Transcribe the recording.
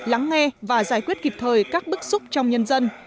lắng nghe và giải quyết kịp thời các bức xúc trong nhân dân